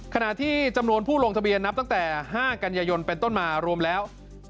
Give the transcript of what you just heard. ขณะที่จำนวนผู้ลงทะเบียนนับตั้งแต่๕กันยายนเป็นต้นมารวมแล้ว